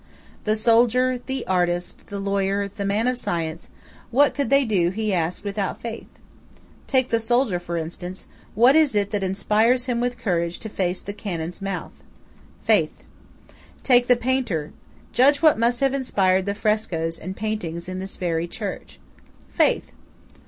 The soldier, the artist, the lawyer, the man of science, what could they do, he asked, without Faith? Take the soldier, for instance:–what is it that inspires him with courage to face the cannon's mouth? Faith. Take the painter–judge what must have inspired the frescoes and paintings in this very church:–Faith.